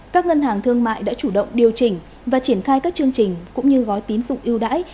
các ngân hàng thương mại đã chủ động điều chỉnh và triển khai các chương trình cũng như gói tín dụng yêu đãi